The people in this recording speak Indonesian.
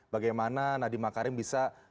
bagaimana nadiem makarim bisa